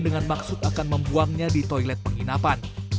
dengan maksud akan membuangnya di toilet penginapan